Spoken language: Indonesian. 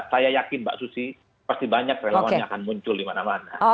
saya yakin mbak susi pasti banyak relawannya akan muncul dimana mana